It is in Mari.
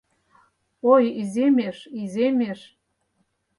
Ой, иземеш, иземеш